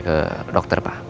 ke dokter pak